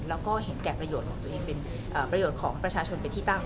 แล้วก็เห็นแก่ประโยชน์ของตัวเองเป็นประโยชน์ของประชาชนเป็นที่ตั้ง